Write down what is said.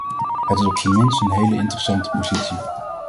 Het is op z'n minst een hele interessante positie.